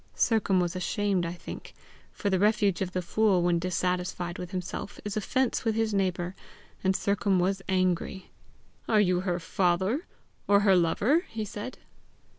Sercombe was, ashamed, I think; for the refuge of the fool when dissatisfied with himself, is offence with his neighbour, and Sercombe was angry. "Are you her father or her lover?" he said.